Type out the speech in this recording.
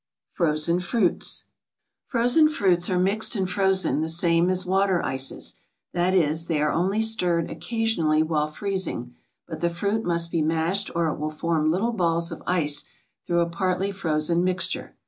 FROZEN FRUITS Frozen fruits are mixed and frozen the same as water ices, that is, they are only stirred occasionally while freezing, but the fruit must be mashed or it will form little balls of ice through a partly frozen mixture.